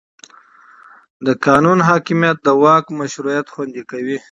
د قانون حاکمیت د واک مشروعیت خوندي کوي